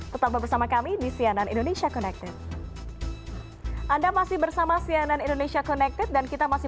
tetap bersama kami di cnn indonesia connected anda masih bersama cnn indonesia connected dan kita masih